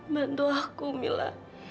bantu aku mila